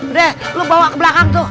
deh lu bawa ke belakang tuh